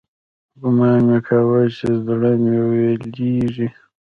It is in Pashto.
ګومان مې کاوه چې زړه مې ويلېږي.